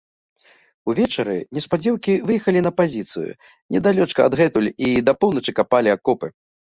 Увечары, неўспадзеўкі, выехалі на пазіцыю, недалёчка адгэтуль, і да паўночы капалі акопы.